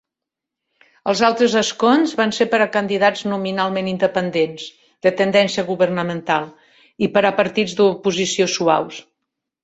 Els altres escons van ser per a candidats nominalment independents, de tendència governamental, i per a partits de "oposició suaus".